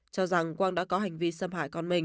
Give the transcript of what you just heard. cho rằng quang đã có hành vi xâm hại con mình